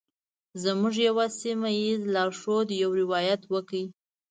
زموږ یوه سیمه ایز لارښود یو روایت وکړ.